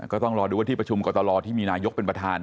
ก็ต้องรอดูว่าที่ประชุมกรตลที่มีนายกเป็นประธาน